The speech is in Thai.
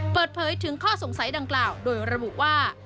เปิดเผยถึงข้อสงสัยดังกล่าวโดยระบุว่า